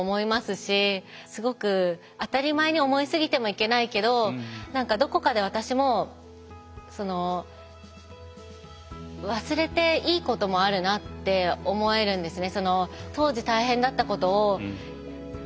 すごく当たり前に思いすぎてもいけないけど何かどこかで私も忘れていいこともあるなって思えるんですね。